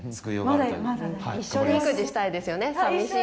一緒に育児したいですよね。